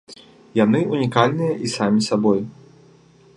Яны ўнікальныя і самі сабой.